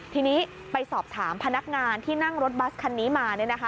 ทีนี้ไปสอบถามพนักงานที่นั่งรถบัสคันนี้มา